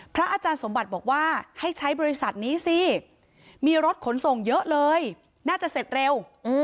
อาจารย์สมบัติบอกว่าให้ใช้บริษัทนี้สิมีรถขนส่งเยอะเลยน่าจะเสร็จเร็ว